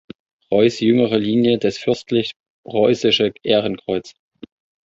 Reuß jüngere Linie das Fürstlich Reußische Ehrenkreuz.